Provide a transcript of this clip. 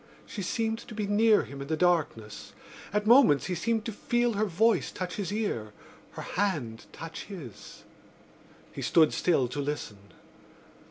She seemed to be near him in the darkness. At moments he seemed to feel her voice touch his ear, her hand touch his. He stood still to listen.